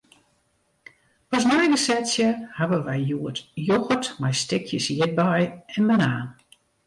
As neigesetsje hawwe wy hjoed yochert mei stikjes ierdbei en banaan.